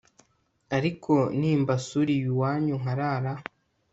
ariko nimbasura iyo iwanyu nkarara